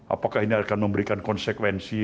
apakah ini akan memberikan konsekuensi